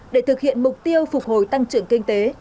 để thực hiện mục tiêu phục hồi tăng trưởng kinh tế